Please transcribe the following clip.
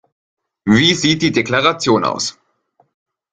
Wie sieht die Deklaration aus?